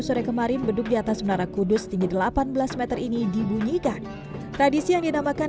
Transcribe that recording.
sore kemarin beduk diatas menara kudus tinggi delapan belas m ini dibunyikan tradisi yang dinamakan